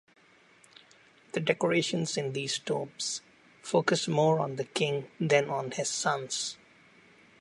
The decorations in these tombs focus more on the King than on his sons.